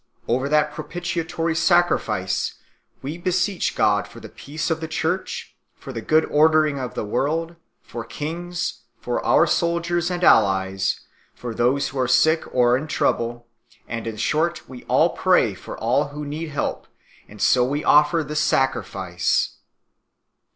over that pro pitiatory sacrifice we beseech God for the peace of the Church, for the good ordering of the world, for kings, for our soldiers and allies, for those who are sick or in trouble, and in short we all pray for all who need help, and so we offer this sacrifice.